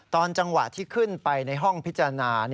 ตอนจังหวะที่ขึ้นไปในห้องพิจารณา